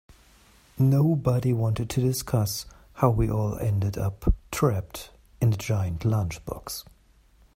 Nobody wanted to discuss how we all ended up trapped in a giant lunchbox.